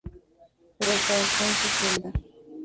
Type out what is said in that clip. Pero se ahorcó en su celda.